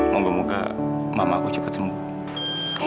moga moga mama aku juga sembuh